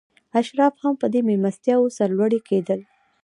اشراف هم په دې مېلمستیاوو سرلوړي کېدل.